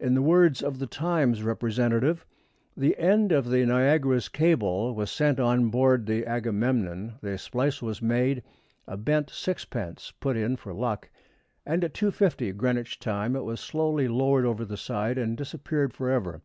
In the words of The Times representative: The end of the Niagara's cable was sent on board the Agamemnon, the splice was made, a bent sixpence put in for luck, and at 2.50 Greenwich time it was slowly lowered over the side and disappeared forever.